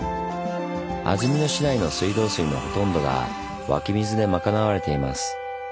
安曇野市内の水道水のほとんどが湧き水で賄われています。